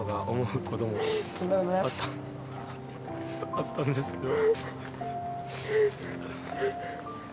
あったんですけど。